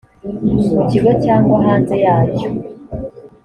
mu kigo cyangwa hanze yacyo